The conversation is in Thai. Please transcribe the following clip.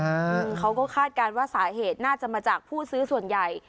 อืมเขาก็คาดการณ์ว่าสาเหตุน่าจะมาจากผู้ซื้อส่วนใหญ่